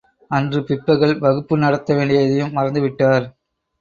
அன்று பிற்பகல் வகுப்பு நடத்த வேண்டியதையும் மறந்து விட்டார்.